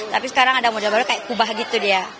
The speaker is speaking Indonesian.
tapi sekarang ada model baru kayak kubah gitu dia